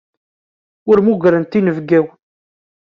Ur mmugrent inebgawen.